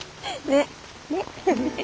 ねっ。